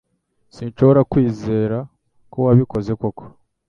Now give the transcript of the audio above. Sinshobora kwizera ko wabikoze koko.